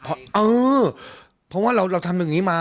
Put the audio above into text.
ว้าวเพราะว่าเราทำอย่างนี้มา